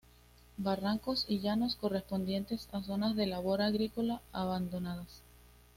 Barrancos y llanos correspondientes a zonas de labor agrícola abandonadas.